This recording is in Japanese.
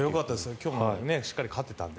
今日もしっかり勝てたので。